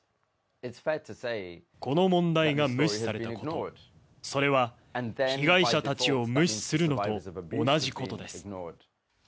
この問題が無視されたこと、それは被害者たちを無視するのと同じことです。